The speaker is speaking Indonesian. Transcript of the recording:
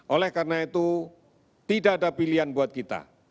oleh karena itu tidak ada pilihan buat kita